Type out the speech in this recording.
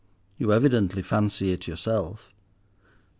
You evidently fancy it yourself."